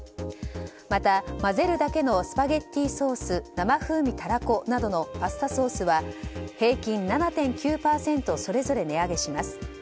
また、まぜるだけのスパゲッティソース生風味たらこなどのパスタソースは平均７．９％それぞれ値上げします。